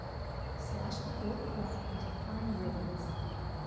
Slash the gold cloth into fine ribbons.